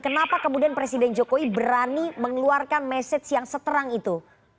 kenapa kemudian presiden jokowi berani mengeluarkan message yang seterang itu